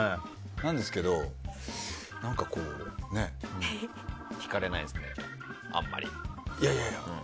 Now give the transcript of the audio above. なんですけど、何かこうね。引かれないんですね、あんまり。